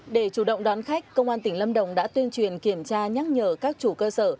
để chủ động đón khách công an tỉnh lâm đồng đã tuyên truyền kiểm tra nhắc nhở các chủ cơ sở